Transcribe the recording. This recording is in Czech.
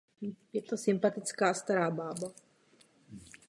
Konzistoř a biskup usilovali o jeho odstranění.